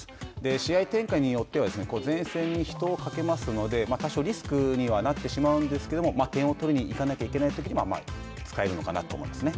試合展開によっては前線に人をかけますので多少リスクにはなってしまうんですけれども点を取りに行かなきゃいけないときに使えるのかなと思いますね。